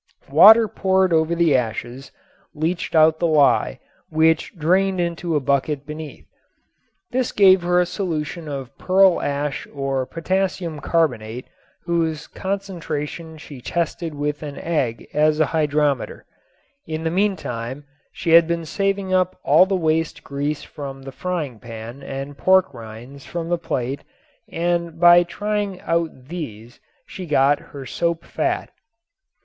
Water poured over the ashes leached out the lye, which drained into a bucket beneath. This gave her a solution of pearl ash or potassium carbonate whose concentration she tested with an egg as a hydrometer. In the meantime she had been saving up all the waste grease from the frying pan and pork rinds from the plate and by trying out these she got her soap fat.